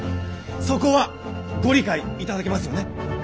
そこはご理解いただけますよね？